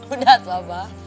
udah tuh abah